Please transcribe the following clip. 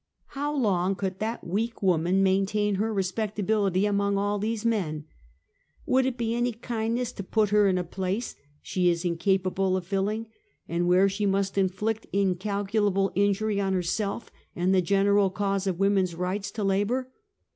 How long could that weak woman maintain her re spectability among all these men ? Would it be any kindness to put her in a place she is incapable of fill ing, and where she must inflict incalculable injury on herself, and the general cause of woman's right to la bor?